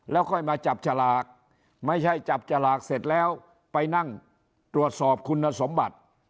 แล้วค่อยมาจับฉลากไม่ใช่จับฉลากเสร็จแล้วไปนั่งตรวจสอบคุณสมบัติ